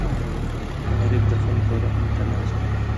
غریب د خلکو رحم ته ناست وي